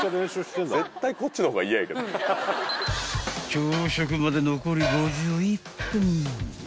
［朝食まで残り５１分］